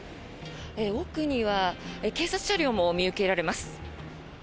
奥には警察車両も見受けられます。